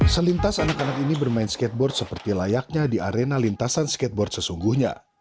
selintas anak anak ini bermain skateboard seperti layaknya di arena lintasan skateboard sesungguhnya